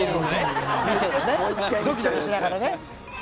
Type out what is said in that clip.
ドキドキしながらね。